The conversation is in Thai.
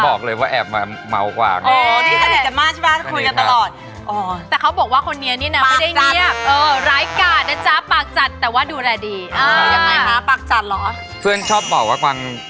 โปรดทีคนไม่เคยพูดผ่วน